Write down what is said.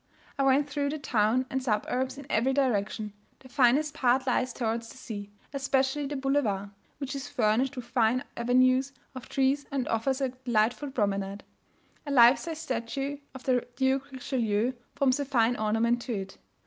I went through the town and suburbs in every direction. The finest part lies towards the sea, especially the boulevard, which is furnished with fine avenues of trees, and offers a delightful promenade; a life size statue of the Duke Richelieu forms a fine ornament to it.